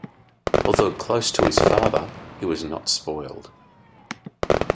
Although close with his father, he was not spoiled.